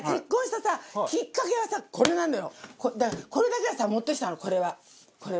これだけはさ持ってきたのこれは。